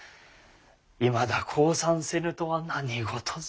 いまだ降参せぬとは何事ぞ。